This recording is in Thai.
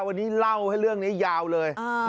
วันนี้เล่าให้เรื่องนี้ยาวเลย